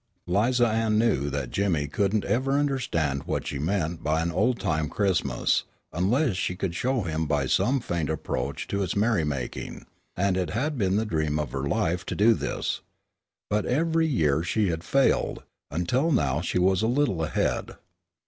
'Liza Ann knew that Jimmy couldn't ever understand what she meant by an old time Christmas unless she could show him by some faint approach to its merrymaking, and it had been the dream of her life to do this. But every year she had failed, until now she was a little ahead.